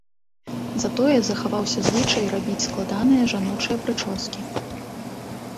Затое захаваўся звычай рабіць складаныя жаночыя прычоскі.